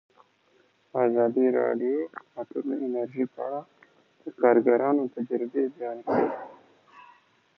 ازادي راډیو د اټومي انرژي په اړه د کارګرانو تجربې بیان کړي.